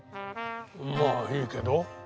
まあいいけど。